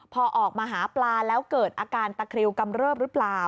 พอออกมาหาปลาแล้วเกิดอาการตะคริวกำเริบหรือเปล่า